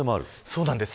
そうなんです。